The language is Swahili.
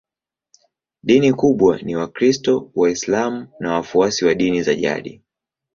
Dini kubwa ni Wakristo, Waislamu na wafuasi wa dini za jadi.